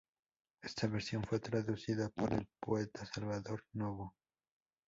Esta versión fue traducida por el poeta Salvador Novo.